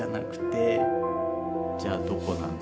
じゃあどこなんだ？